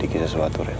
irfan bangun tuh doang